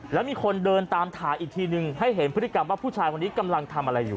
แล้วมีคนเดินตามถ่ายอีกทีนึงให้เห็นพฤติกรรมว่าผู้ชายคนนี้กำลังทำอะไรอยู่